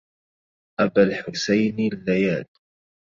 أبا الحسين الليالي